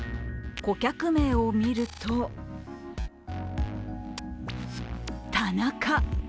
顧客名を見ると田中。